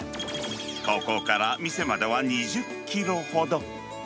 ここから店までは２０キロほど。